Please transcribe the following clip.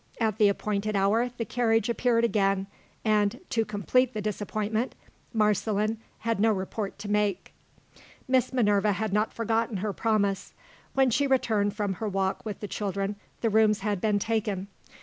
At the appointed hour the carriage appeared again and (to complete the disappointment) Marceline had no report to make. Miss Minerva had not forgotten her promise. When she returned from her walk with the children, the rooms had been taken.